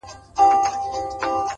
دا ستا خبري او ښكنځاوي گراني !!